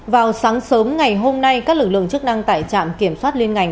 vào sáng sớm ngày hôm nay các lực lượng chức năng tại trạm kiểm soát liên ngành